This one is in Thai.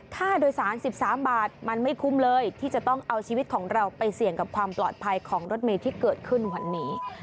ค่าโดยสาร๑๓บาทมันไม่คุ้มเลยที่จะต้องเอาชีวิตของเราไปเสี่ยงกับความปลอดภัยของรถเมย์ที่เกิดขึ้นวันนี้